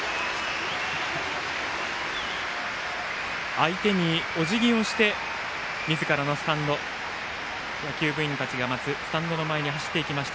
相手におじぎをしてみずからのスタンド野球部員たちが待つスタンドの前に走っていきました。